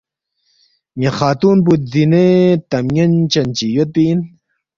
ن٘ی خاتُون پو دینے تمن٘ین چن چی یودپی اِن